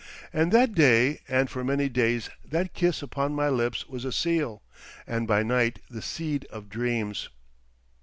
And that day and for many days that kiss upon my lips was a seal, and by night the seed of dreams.